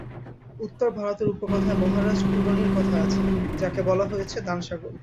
উত্তর ভারতের উপকথায় মহারাজ উরুনির কথা আছে, যাঁকে বলা হয়েছে দানসাগর।